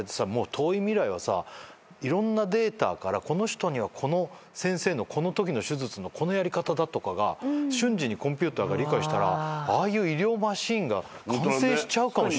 遠い未来はさいろんなデータからこの人にはこの先生のこのときの手術のこのやり方だとかが瞬時にコンピューターが理解したらああいう医療マシンが完成しちゃうかもしんないね。